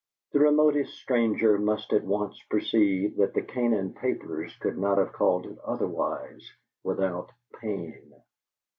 (The remotest stranger must at once perceive that the Canaan papers could not have called it otherwise without pain.)